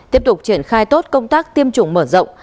tiếp tục triển khai tốt công tác tiêm chủng mở rộng